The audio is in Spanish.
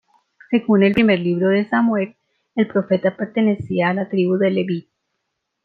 Según el Primer Libro de Samuel, el profeta pertenecía a la Tribu de Leví.